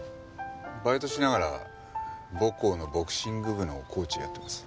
バイトしながら母校のボクシング部のコーチをやってます。